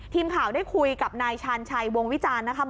ทีมข่าวได้คุยกับนายชาญชัยวงวิจารณ์นะคะ